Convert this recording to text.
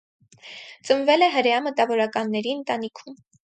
Ծնվել է հրեա մտավորականների ընտանիքում։